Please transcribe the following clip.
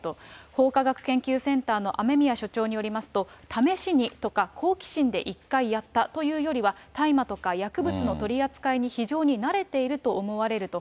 法科学研究センターの雨宮所長によりますと、試しにとか、好奇心で１回やったというよりは、大麻とか薬物の取り扱いに非常に慣れていると思われると。